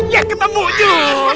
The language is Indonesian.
ya ketemu yuk